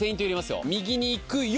「右に行くよ！」